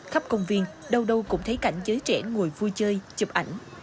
khắp công viên đâu đâu cũng thấy cảnh giới trẻ ngồi vui chơi chụp ảnh